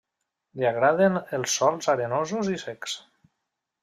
Li agraden els sòls arenosos i secs.